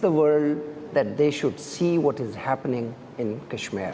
bahwa mereka harus melihat apa yang terjadi di kashmir